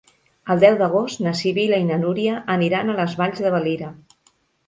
El deu d'agost na Sibil·la i na Núria aniran a les Valls de Valira.